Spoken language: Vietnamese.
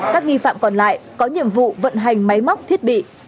các nghi phạm còn lại có nhiệm vụ vận hành máy móc thiết bị